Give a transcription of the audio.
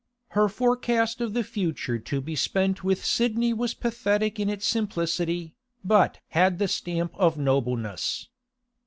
Her forecast of the future to be spent with Sidney was pathetic in its simplicity, but had the stamp of nobleness.